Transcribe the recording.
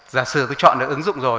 giả sử tôi chọn được ứng dụng rồi